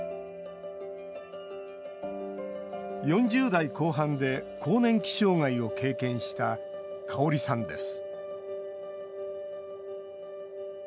４０代後半で更年期障害を経験したカオリさんです